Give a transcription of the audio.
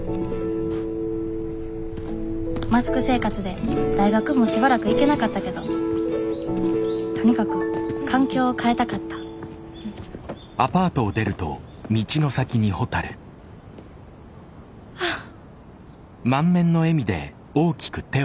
マスク生活で大学もしばらく行けなかったけどとにかく環境を変えたかったあっ！